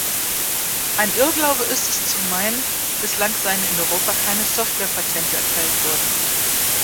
Ein Irrglaube ist es zu meinen, bislang seien in Europa keine Softwarepatente erteilt worden.